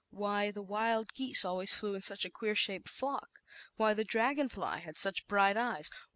Why the wild geese always flew in such a queer shaped flock? Why the dragon fly had such bright eyes?